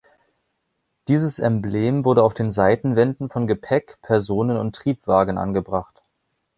Dieses Emblem wurde auf den Seitenwänden von Gepäck-, Personen- und Triebwagen angebracht.